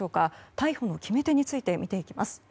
逮捕の決め手について見ていきます。